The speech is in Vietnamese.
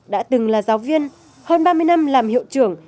đã từng là giáo viên hơn ba mươi năm làm hiệu trưởng